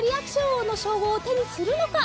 王の称号を手にするのか？